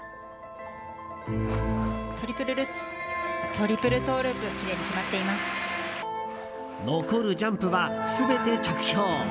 トリプルルッツトリプルトウループ残るジャンプは全て着氷。